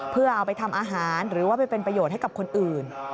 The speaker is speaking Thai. เพื่อเอาไปทำอาหารหรือว่าไปเป็นประโยชน์ให้กับคนอื่น